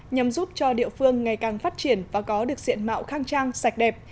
nhằm giúp cho địa phương ngày càng phát triển và có được diện mạo khang trang sạch đẹp